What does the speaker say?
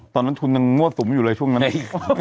ตอนนั้นทุนนั้นงวดสุมอยู่เลยช่วงนั้นเอ้ย